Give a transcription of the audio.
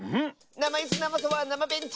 なまイスなまそばなまベンチ！